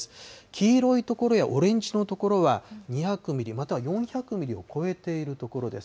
黄色い所やオレンジの所は２００ミリ、または４００ミリを超えている所です。